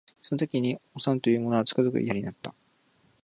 その時におさんと言う者はつくづく嫌になった